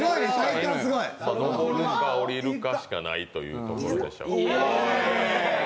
上るか下りるしかかないというところでしょうか。